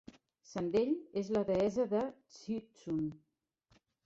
Sendell és la deessa de Twinsun.